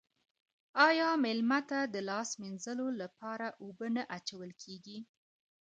آیا میلمه ته د لاس مینځلو لپاره اوبه نه اچول کیږي؟